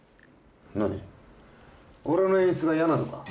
何俺の演出が嫌なのか？